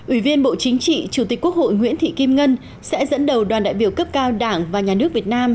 ủy viên bộ chính trị chủ tịch quốc hội nguyễn thị kim ngân sẽ dẫn đầu đoàn đại biểu cấp cao đảng và nhà nước việt nam